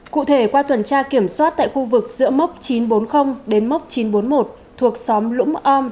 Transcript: cụ thể qua tuần tra kiểm soát tại khu vực giữa mốc chín trăm bốn mươi đến mốc chín trăm bốn mươi một thuộc xóm lũng om